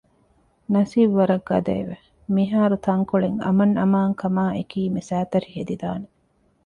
ނަސީބު ވަރަށް ގަދައެވެ! މިހާރުތަންކޮޅެއް އަމަންއަމާންކަމާއެކީ މި ސައިތަށި ހެދިދާނެ